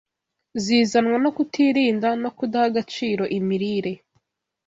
zizanwa no kutirinda no kudaha agaciro imirire.